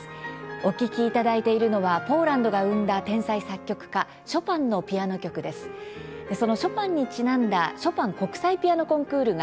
お聴きいただいているのはポーランドが生んだ天才作曲家ショパンのピアノ曲です。